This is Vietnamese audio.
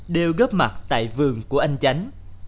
đều góp mặt tại vườn của anh chánh